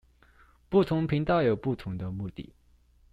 不同頻道有不同的目的